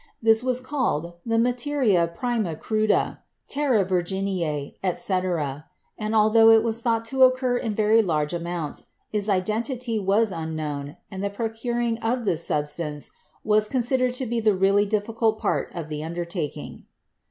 This was called the "materia prima cruda," "terra virginea," etc., and altho it was thought to occur in very large amounts, its identity was unknown and the procuring of this sub stance was considered to be the really difficult part of the undertaking.